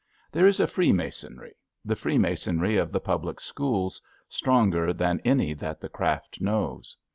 There is a freemasonry, the freemasonry of the public schools, stronger than any that the Craft knows.